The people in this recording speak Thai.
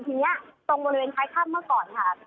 ทีนี้ตรงบริเวณท้ายถ้ำเมื่อก่อนค่ะ